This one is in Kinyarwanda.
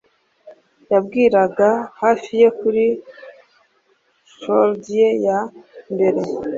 yabwiraga hafi ye kuri chords ye ya mbere